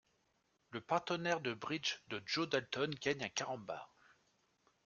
Le partenaire de bridge de Joe Dalton gagne un carambar.